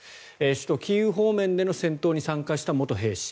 首都キーウ方面での戦闘に参加した元兵士。